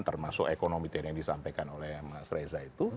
termasuk ekonomi tadi yang disampaikan oleh mas reza itu